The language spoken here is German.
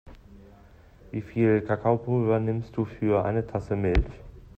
Wie viel Kakaopulver nimmst du für eine Tasse Milch?